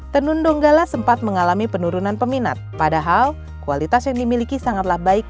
tenun donggala sempat mengalami penurunan peminat padahal kualitas yang dimiliki sangatlah baik